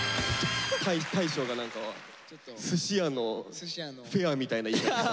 大昇が何かすし屋のフェアみたいな言い方してた。